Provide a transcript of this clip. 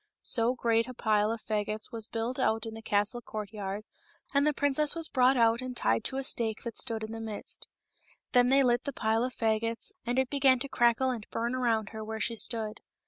So a great pile of fagots was built out in the castle courtyard, and the princess was brought out and tied to a stake that stood in the midst. Then they lit the pile of fagots, and it began to crackle and bum around her where she stood.